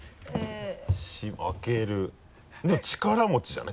「あける」でも力持ちじゃない？